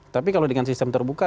tapi kalau dengan sistem terbuka